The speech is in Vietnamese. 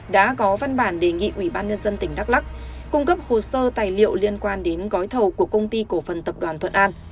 đã có văn bản đề nghị ủy ban nhân dân tỉnh đắk lắc cung cấp hồ sơ tài liệu liên quan đến gói thầu của công ty cổ phần tập đoàn thuận an